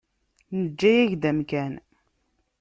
Neǧǧa-yak-d amkan.